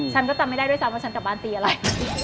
ฉันก็จำไม่ได้ด้วยซ้ำว่าฉันกลับบ้านตีอะไร